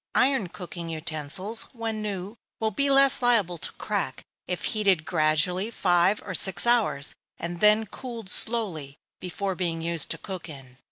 Iron cooking utensils, when new, will be less liable to crack if heated gradually five or six hours, and then cooled slowly, before being used to cook in.